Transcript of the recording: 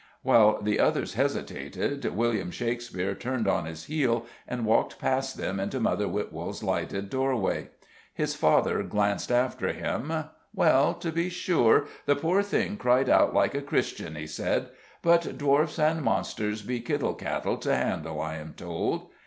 While the others hesitated, William Shakespeare turned on his heel and walked past them into Mother Witwold's lighted doorway. His father glanced after him. "Well, to be sure, the poor thing cried out like a Christian," he said. "But dwarfs and monsters be kittle cattle to handle, I am told."